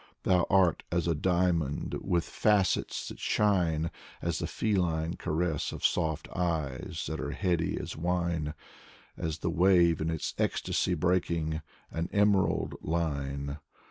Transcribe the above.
Thou art as a diamond with facets that shine, As the feline caress of soft eyes that are heady as wine, As the wave in its ecstasy breaking, an emerald line.